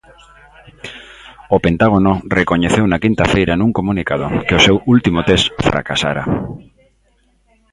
O Pentágono recoñeceu na quinta feira nun comunicado que o seu último test fracasara.